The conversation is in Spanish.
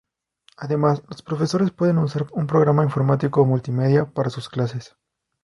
Además, los profesores pueden usar un programa informático multimedia para sus clases.